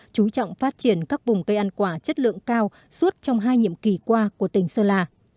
chú trọng phát triển các vùng cây ăn quả chất lượng cao suốt trong hai nhiệm kỳ qua của tỉnh sơn la